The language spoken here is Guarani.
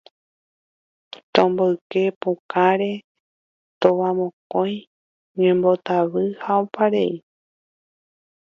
Tomboyke pokarẽ, tovamokõi, ñembotavy ha oparei